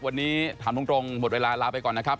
วันนี้ถามตรงหมดเวลาลาไปก่อนนะครับ